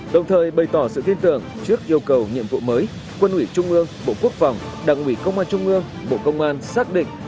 đồng thời bày tỏ sự tin tưởng trước yêu cầu nhiệm vụ mới quân ủy trung ương bộ quốc phòng đảng ủy công an trung ương bộ công an xác định